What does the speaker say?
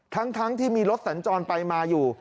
ทั้งที่มีรถสัญจรไปมาอยู่